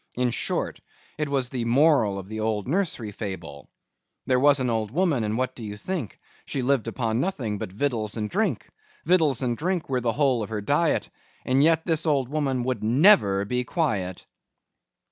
In short, it was the moral of the old nursery fable: There was an old woman, and what do you think? She lived upon nothing but victuals and drink; Victuals and drink were the whole of her diet, And yet this old woman would NEVER be quiet.